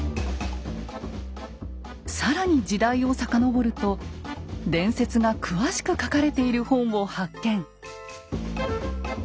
更に時代をさかのぼると伝説が詳しく書かれている本を発見！